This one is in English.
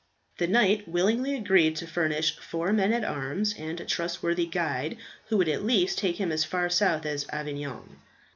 The knight willingly agreed to furnish four men at arms, and a trustworthy guide who would at least take him as far south as Avignon.